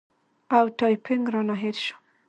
او ټایپینګ رانه هېر شوی